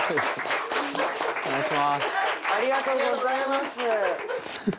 ありがとうございます。